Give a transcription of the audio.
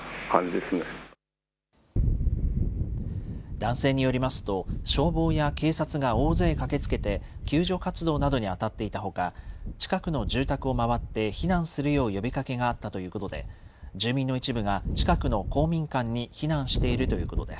男性によりますと、消防や警察が大勢駆けつけて、救助活動などに当たっていたほか、近くの住宅を回って避難するよう呼びかけがあったということで、住民の一部が近くの公民館に避難しているということです。